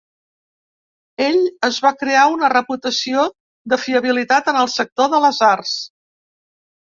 Ell es va crear una reputació de fiabilitat en el sector de les arts.